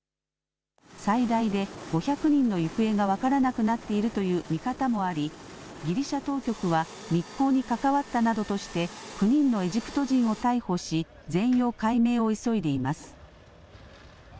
最大で５００人の行方が分からなくなっているという見方もありギリシャ当局は密航に関わったなどとして９人のエジプト人を逮捕し全容解明を急いでいます。